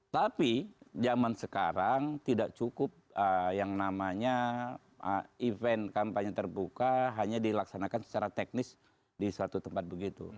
tapi zaman sekarang tidak cukup yang namanya event kampanye terbuka hanya dilaksanakan secara teknis di suatu tempat begitu